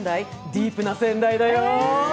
ディープな仙台だよ。